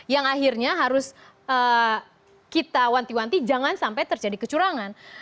yang akhirnya harus kita wanti wanti jangan sampai terjadi kecurangan